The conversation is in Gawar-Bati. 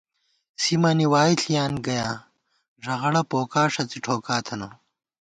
سِمَنی وائی ݪِیان گَیاں ، ݫغڑہ پوکا ݭڅی ٹھوکا تھنہ